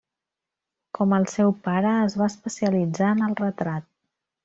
Com el seu pare, es va especialitzar en el retrat.